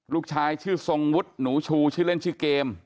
ลูกชายชื่อทรงวุฒิหนูชูชื่อเล่นชื่อเกม